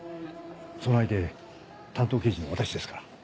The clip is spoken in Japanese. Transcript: その相手担当刑事の私ですから。